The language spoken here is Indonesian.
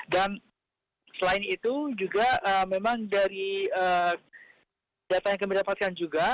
dan selain itu juga memang dari data yang kami dapatkan juga